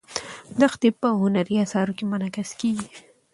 دښتې په هنري اثارو کې منعکس کېږي.